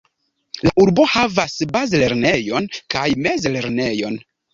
La urbo havas bazlernejon kaj mezlernejon.